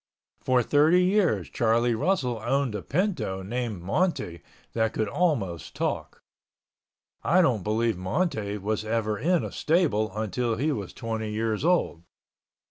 For thirty years, Charlie Russell owned a pinto named Monte that could almost talk. I don't believe Monte was ever in a stable until he was twenty years old.